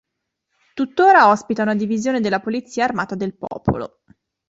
Tuttora ospita una divisione della Polizia armata del popolo.